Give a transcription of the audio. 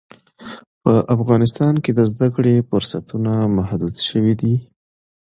په افغانستان کې د زده کړې فرصتونه محدود شوي دي.